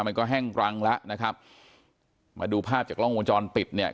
มันก็แห้งรังแล้วนะครับมาดูภาพจากกล้องวงจรปิดเนี่ย